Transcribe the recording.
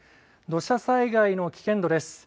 土砂災害の危険度です。